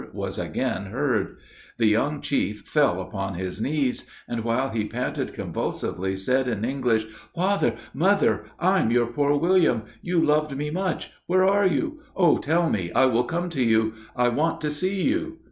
was again heard. The young chief fell upon his knees, and, while he panted convulsively, said, in English, "Father! Mother! I'm your poor William you loved me much where are you? Oh tell me I will come to you I want to see you!"